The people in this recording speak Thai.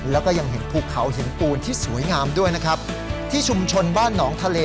แล้วก็ยังเห็นภูเขาหินปูนที่สวยงามด้วยนะครับที่ชุมชนบ้านหนองทะเล